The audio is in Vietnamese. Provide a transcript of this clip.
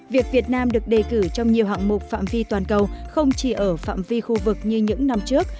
việc việt nam được đề cử trong nhiều hạng mục phạm vi toàn cầu không chỉ ở phạm vi khu vực như những năm trước